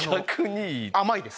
甘いです